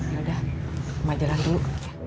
yaudah emak jalan dulu